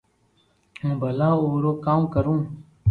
ھون ڀلا او رو ڪاو ڪرو